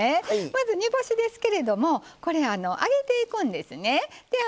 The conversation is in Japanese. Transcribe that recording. まず煮干しですけど揚げていくんですね。